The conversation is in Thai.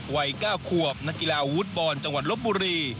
วัย๙ขวบนักกีฬาอาวุธบอลจังหวัดลบบุรี